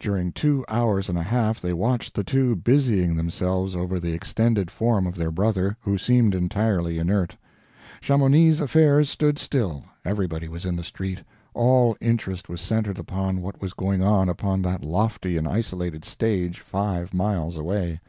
During two hours and a half they watched the two busying themselves over the extended form of their brother, who seemed entirely inert. Chamonix's affairs stood still; everybody was in the street, all interest was centered upon what was going on upon that lofty and isolated stage five miles away.